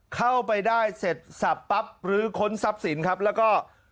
เข้าไปได้เสร็จสับปั๊บลื้อค้นทรัพย์สินครับแล้วก็